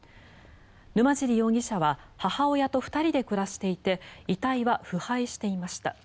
沼尻容疑者は母親と２人で暮らしていて遺体は腐敗していました。